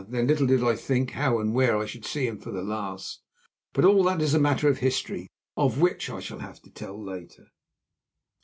then little did I think how and where I should see him for the last. But all that is a matter of history, of which I shall have to tell later.